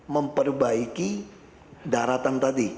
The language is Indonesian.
memperbaiki daratan tadi